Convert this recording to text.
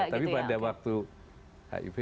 tapi pada waktu hiv